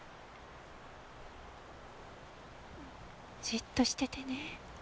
じっとしててね。